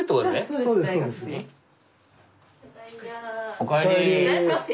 おかえり。